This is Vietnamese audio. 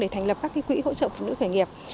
để thành lập các quỹ hỗ trợ phụ nữ khởi nghiệp